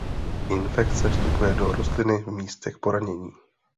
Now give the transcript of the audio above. Infekce vstupuje do rostliny v místech poranění.